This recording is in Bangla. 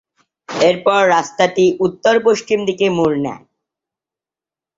এরপর রাস্তাটি উত্তর পশ্চিম দিকে মোড় নেয়।